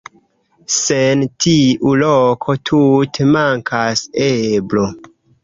Sen tiu loko tute mankas eblo.